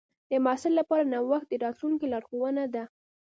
د محصل لپاره نوښت د راتلونکي لارښوونه ده.